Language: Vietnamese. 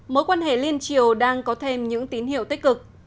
mối quan hệ liên triều đang có thêm những tín hiệu tích cực